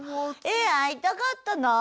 え会いたかったなあ。